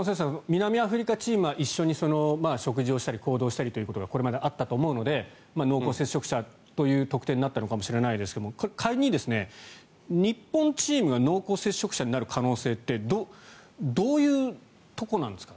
南アフリカチームは一緒に食事をしたり行動をしたりがこれまであったと思うので濃厚接触者という特定になったのかもしれないですが仮に日本チームが濃厚接触者になる可能性ってどういうところなんですか？